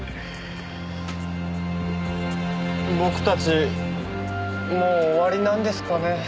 僕たちもう終わりなんですかね？